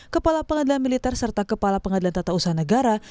kepala pengadilan militer serta kepala pengadilan tata usaha negara